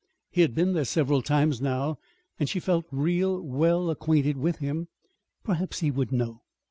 He had been there several times now, and she felt real well acquainted with him. Perhaps he would know.